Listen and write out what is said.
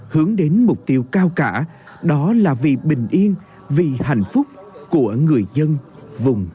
hướng đến mục tiêu cao cả đó là vì bình yên vì hạnh phúc của người dân vùng